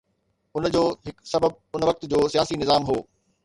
ان جو هڪ سبب ان وقت جو سياسي نظام هو.